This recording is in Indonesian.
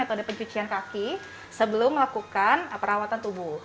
metode pencucian kaki sebelum melakukan perawatan tubuh